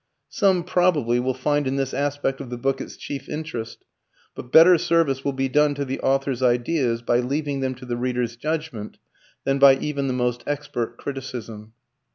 Some, probably, will find in this aspect of the book its chief interest, but better service will be done to the author's ideas by leaving them to the reader's judgement than by even the most expert criticism.